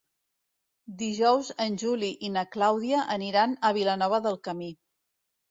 Dijous en Juli i na Clàudia aniran a Vilanova del Camí.